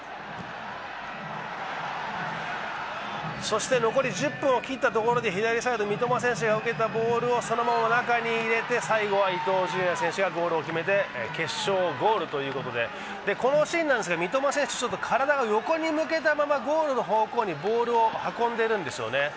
そして残り１０分を切ったところで左サイド、三笘選手が受けたボールをそのままおなかに入れて最後は伊東純也選手がゴールを決めて決勝ゴールということでこのシーン、三笘選手、体が横に抜けたままゴールにボールを運んでいるんですよね。